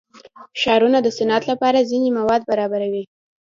ښارونه د صنعت لپاره ځینې مواد برابروي.